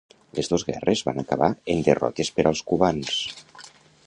Les dos guerres van acabar en derrotes per als cubans.